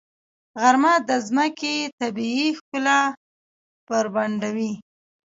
غرمه د ځمکې طبیعي ښکلا بربنډوي.